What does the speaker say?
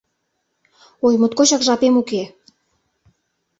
Ой, моткочак жапем уке!..